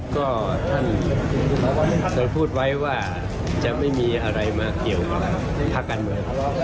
ก็ท่านเคยพูดไว้ว่าจะไม่มีอะไรมาเกี่ยวกับภาคการเมือง